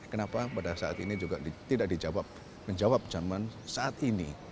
kenapa pada saat ini juga tidak menjawab zaman saat ini